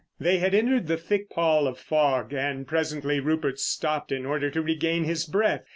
They had entered the thick pall of fog, and presently Rupert stopped in order to regain his breath.